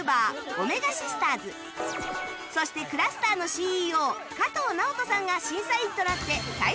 おめがシスターズそしてクラスターの ＣＥＯ 加藤直人さんが審査員となって最終選考